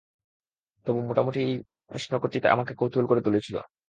তবু মোটামুটি এই প্রশ্ন কটিই আমাকে কৌতুহলী করে তুলেছিল।